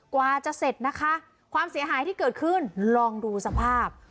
กว่าจะเสร็จนะคะความเสียหายที่เกิดขึ้นลองดูสภาพ